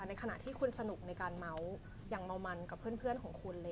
ในขณะที่คุณสนุกในการเมาส์อย่างเมามันกับเพื่อนของคุณเลย